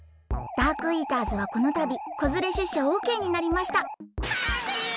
ダークイーターズはこのたびこづれしゅっしゃオッケーになりましたハングリー！